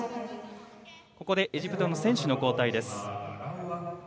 ここでエジプトの選手の交代。